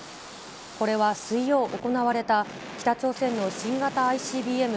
これは水曜行われた、北朝鮮の新型ＩＣＢＭ